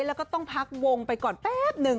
แล้วก็ต้องพักวงไปก่อนแป๊บนึง